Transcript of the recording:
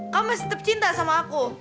kamu masih tetap cinta sama aku